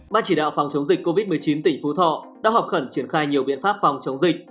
ban chỉ đạo phòng chống dịch covid một mươi chín tỉnh phú thọ đã họp khẩn triển khai nhiều biện pháp phòng chống dịch